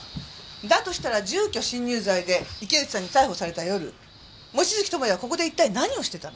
だとしたら住居侵入罪で池内さんに逮捕された夜望月友也はここで一体何をしてたの？